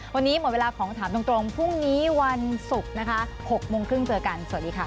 วันนี้หมดเวลาของถามตรงพรุ่งนี้วันศุกร์นะคะ๖โมงครึ่งเจอกันสวัสดีค่ะ